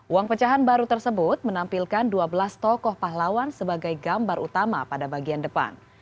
uang pecahan baru tersebut menampilkan dua belas tokoh pahlawan sebagai gambar utama pada bagian depan